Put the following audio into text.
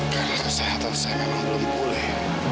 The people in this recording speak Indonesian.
karena saya tahu saya memang belum pulih